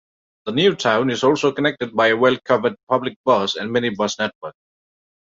The new town is also connected by a well-covered public bus and minibus network.